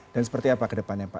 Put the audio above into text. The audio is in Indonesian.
dan seperti apa ke depannya pak